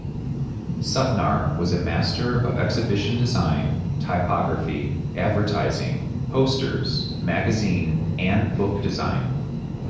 Sutnar was a master of exhibition design, typography, advertising, posters, magazine and book design.